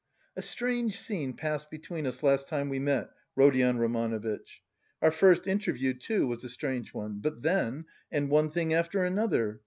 "A strange scene passed between us last time we met, Rodion Romanovitch. Our first interview, too, was a strange one; but then... and one thing after another!